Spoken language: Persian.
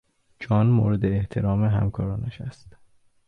جان مورد احترام همکارانش است.